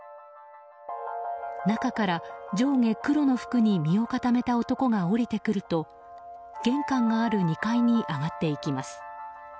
中から、上下黒の服に身を固めた男が降りてくると玄関がある２階に上がっていきます。